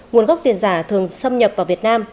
nguồn gốc tiền giả thường xâm nhập vào việt nam